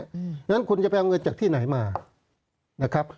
เพราะฉะนั้นคุณจะไปเอาเงินจากที่ไหนมานะครับ